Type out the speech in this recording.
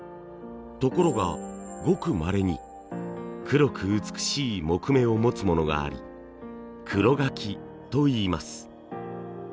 ところがごくまれに黒く美しい木目を持つものがあり黒柿といいます。